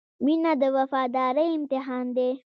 • مینه د وفادارۍ امتحان دی.